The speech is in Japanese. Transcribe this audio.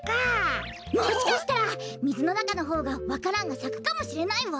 もしかしたらみずのなかのほうがわか蘭がさくかもしれないわ！